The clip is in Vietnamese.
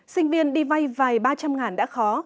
sinh viên đi vay vài ba trăm linh ngàn đã khó